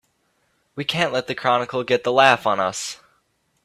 We can't let the Chronicle get the laugh on us!